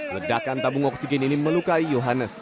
ledakan tabung oksigen ini melukai yohannes